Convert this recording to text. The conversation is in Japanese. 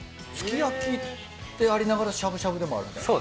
すき焼きでありながらしゃぶしゃぶでもあるんだ？